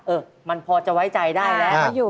เออมันพอจะไว้ใจได้แล้ว